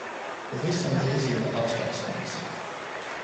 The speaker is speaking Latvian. Pavisam drīz jau apskausimies.